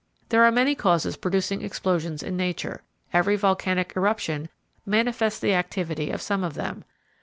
There are many causes producing explosions in nature, every volcanic eruption manifests the activity of some of them.